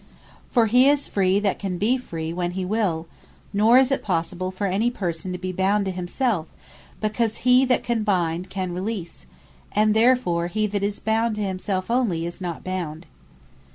For he is free, that can be free when he will: Nor is it possible for any person to be bound to himselfe; because he that can bind, can release; and therefore he that is bound to himselfe onely, is not bound.